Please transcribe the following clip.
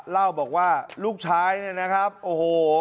เล่าบอกว่าลูกชายเนี่ยนะครับโอ้โห